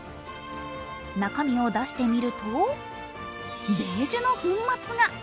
中身を出してみると、ベージュの粉末が。